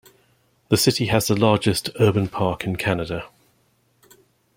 The city has the largest urban park in Canada.